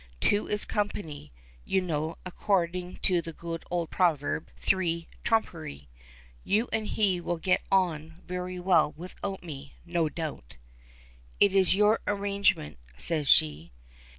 "'Two is company,' you know, according to the good old proverb, 'three trumpery.' You and he will get on very well without me, no doubt." "It is your arrangement," says she.